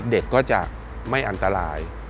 เด็กก็จะไม่อันตราย